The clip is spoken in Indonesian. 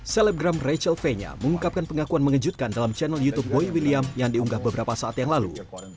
selebgram rachel fenya mengungkapkan pengakuan mengejutkan dalam channel youtube boy william yang diunggah beberapa saat yang lalu